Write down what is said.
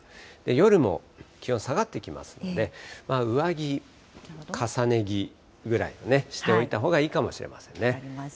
夜も気温下がってきますので、上着、重ね着ぐらいしておいたほうがいいかもしれませんね。